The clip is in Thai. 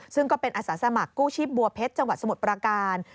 ซึ่งก็เป็นอาสาสมัครกู้ชีพบัวเพชรจังหวัดสมุทรปราการ